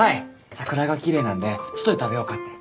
桜がきれいなんで外で食べようかって。